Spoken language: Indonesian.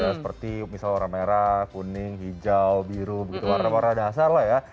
seperti misalnya warna merah kuning hijau biru warna warna dasar loh ya